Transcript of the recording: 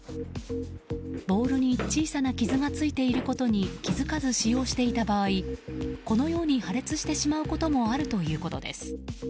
ボールに小さな傷がついていることに気づかず使用していた場合このように破裂してしまうこともあるということです。